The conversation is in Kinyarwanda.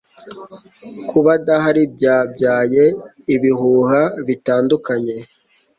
Kuba adahari byabyaye ibihuha bitandukanye.